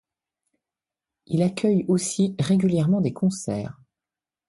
Il accueille aussi régulièrement des concerts.